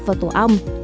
vào tổ ong